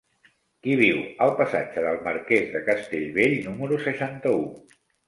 Qui viu al passatge del Marquès de Castellbell número seixanta-u?